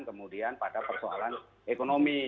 kemudian pada persoalan ekonomi